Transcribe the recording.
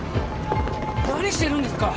何してるんですか！？